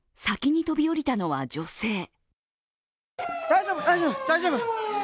先に飛び降りたのは女性。